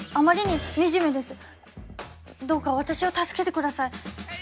どうか私を助けて下さい。